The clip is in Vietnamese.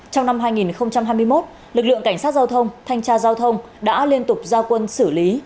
trong năm hai nghìn hai mươi một lực lượng cảnh sát giao thông thanh tra giao thông đã liên tục giao quân xử lý